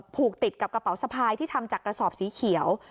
ผูกติดกับกระเป๋าสะพายที่ทำจากกระสอบสีเขียว